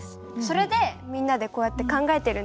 それでみんなでこうやって考えてるんです。